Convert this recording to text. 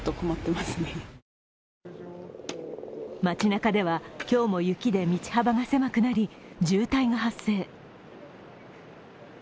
街なかでは、今日も雪で道幅が狭くなり、渋滞が発生。